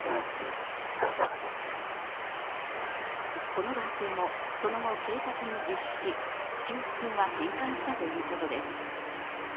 この男性もその後警察に自首し給付金は返還したということです。